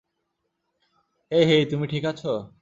হেই hey তুমি ঠিক আছো?